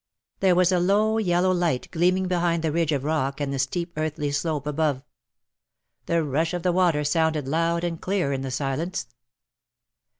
There was a low yellow light gleaming behind the ridge of rock and the steep earthy slope 227 above. The rush of the water sounded loud and clear in the silence.